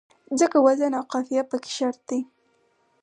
ځکه وزن او قافیه پکې شرط دی.